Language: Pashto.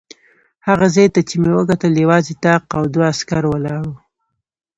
هغه ځای ته چې مې وکتل یوازې طاق او دوه عسکر ولاړ و.